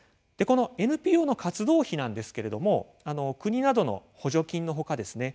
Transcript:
このＮＰＯの活動費なんですけれども国などの補助金のほかですね